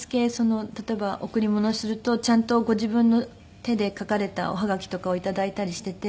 例えば贈り物をするとちゃんとご自分の手で書かれたおハガキとかを頂いたりしていて。